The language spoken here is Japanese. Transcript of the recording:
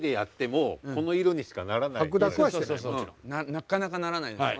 なかなかならないです。